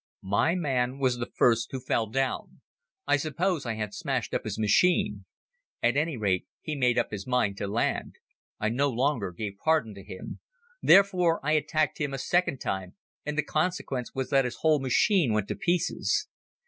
My man was the first who fell down. I suppose I had smashed up his engine. At any rate, he made up his mind to land. I no longer gave pardon to him. Therefore, I attacked him a second time and the consequence was that his whole machine went to pieces.